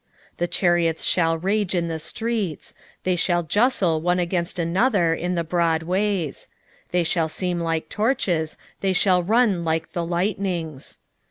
2:4 The chariots shall rage in the streets, they shall justle one against another in the broad ways: they shall seem like torches, they shall run like the lightnings.